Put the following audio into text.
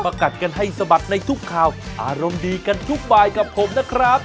กัดกันให้สะบัดในทุกข่าวอารมณ์ดีกันทุกบายกับผมนะครับ